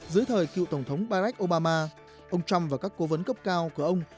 dưới thời cựu tổng thống barack obama ông trump và các cố vấn cấp cao của ông